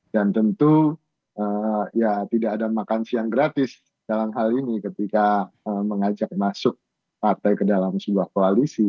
dan tentu tidak ada makan siang gratis dalam hal ini ketika mengajak masuk partai ke dalam sebuah koalisi